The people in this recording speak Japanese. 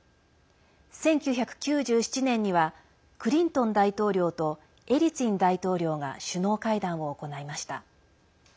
１９９７年にはクリントン大統領とエリツィン大統領が首脳会談を行いました。